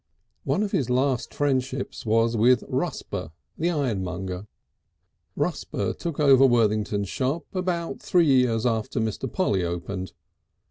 One of his last friendships was with Rusper, the ironmonger. Rusper took over Worthington's shop about three years after Mr. Polly opened.